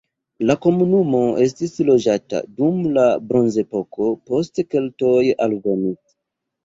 La komunumo estis loĝata dum la bronzepoko, poste keltoj alvenis.